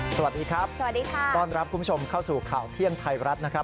สวัสดีครับสวัสดีค่ะต้อนรับคุณผู้ชมเข้าสู่ข่าวเที่ยงไทยรัฐนะครับ